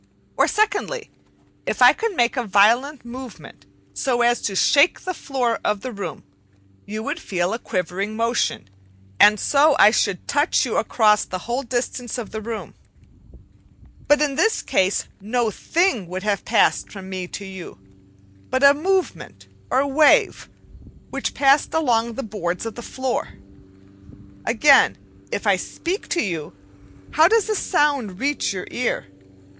Or, secondly, if I could make a violent movement so as to shake the floor of the room, you would feel a quivering motion; and so I should touch you across the whole distance of the room. But in this case no thing would have passed from me to you but a movement or wave, which passed along the boards of the floor. Again, if I speak to you, how does the sound reach you ear?